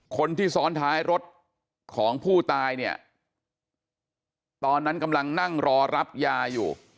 คนที่ซ้อนท้ายรถของผู้ตายเนี่ยตอนนั้นกำลังนั่งรอรับยาอยู่